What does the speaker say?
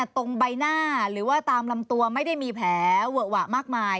ตรงใบหน้าหรือว่าตามลำตัวไม่ได้มีแผลเวอะหวะมากมาย